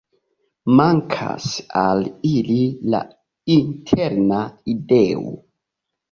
Mankas al ili la interna ideo.